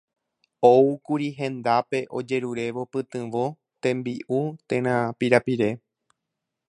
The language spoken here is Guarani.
Oúkuri hendápe ojerurévo pytyvõ, tembi'u térã pirapire.